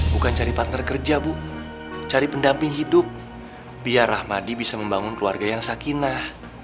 bukan cari partner kerja bu cari pendamping hidup biar rahmadi bisa membangun keluarga yang sakinah